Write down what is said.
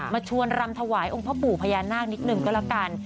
มาชวนรำถวายองค์พ่อปู่พญานาคนิดหนึ่งก็แล้วกัน